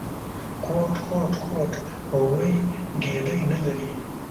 _کوټ، کوټ، کوټ… هغوی ګېډې نه لري!